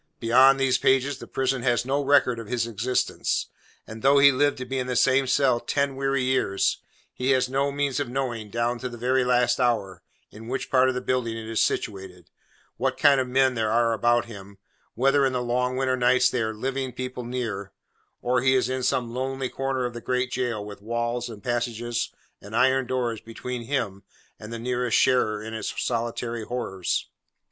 Beyond these pages the prison has no record of his existence: and though he live to be in the same cell ten weary years, he has no means of knowing, down to the very last hour, in which part of the building it is situated; what kind of men there are about him; whether in the long winter nights there are living people near, or he is in some lonely corner of the great jail, with walls, and passages, and iron doors between him and the nearest sharer in its solitary horrors.